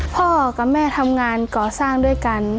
พ่อกับแม่ทำงานก่อสร้างด้วยกัน